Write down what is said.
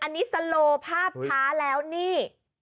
อันนี้สโลภาพช้าแล้วนี่